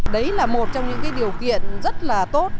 đấy là một trong những điều kiện rất là tốt